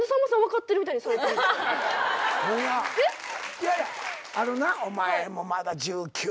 いやいやあのなお前もまだ１９やな。